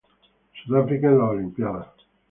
Sudáfrica en las Olimpíadas